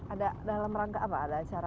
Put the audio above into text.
ada dalam rangka apa ada acara